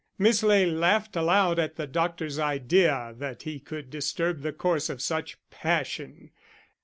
Miss Ley laughed aloud at the doctor's idea that he could disturb the course of such passion....